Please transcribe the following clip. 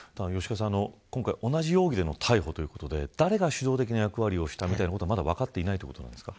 今回同じ容疑での逮捕ということで誰が主導的な役割をしたのかまだ分かっていないんですか。